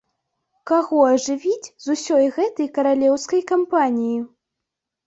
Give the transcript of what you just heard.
Каго ажывіць з усёй гэтай каралеўскай кампаніі?